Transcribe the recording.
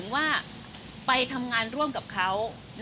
ว่าไปทำงานร่วมกับเขา